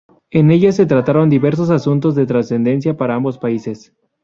En ella se trataron diversos asuntos de trascendencia para ambos países.